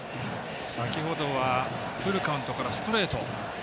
先ほどはフルカウントからストレート。